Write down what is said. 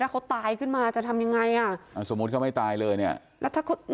เขาตายขึ้นมาจะทำยังไงอ่ะอ่าสมมุติเขาไม่ตายเลยเนี้ยแล้วถ้าเขา